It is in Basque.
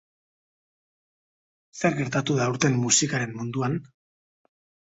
Zer gertatu da aurten musikaren munduan?